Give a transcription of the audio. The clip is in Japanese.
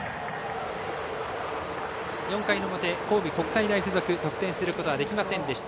４回の表、神戸国際大付属得点することはできませんでした。